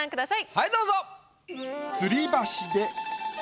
はいどうぞ。